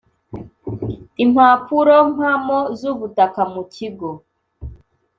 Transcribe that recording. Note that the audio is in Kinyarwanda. Impapurompamo z Ubutaka mu Kigo